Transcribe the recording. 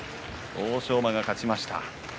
欧勝馬が勝ちました。